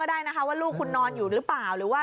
ก็เรียนหนังสืออยู่ด้วยกับผมนี่